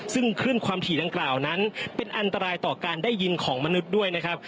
ซึ่งคลื่นความถี่ดังกล่าวนั้นเป็นอันตรายต่อการได้ยินของมนุษย์ด้วยนะครับ